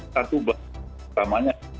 satu bahan utamanya